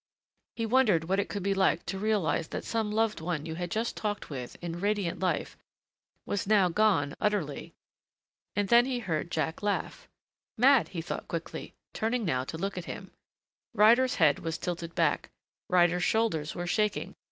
He wondered what it could be like to realize that some loved one you had just talked with, in radiant life, was now gone utterly.... And then he heard Jack laugh. Mad, he thought quickly, turning now to look at him. Ryder's head was tilted back; Ryder's shoulders were shaking.